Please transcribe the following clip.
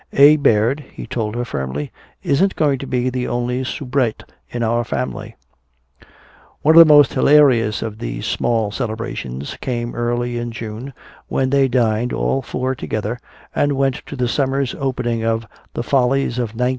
"A. Baird," he told her firmly, "isn't going to be the only soubrette in this family." One of the most hilarious of these small celebrations came early in June, when they dined all four together and went to the summer's opening of "The Follies of 1914."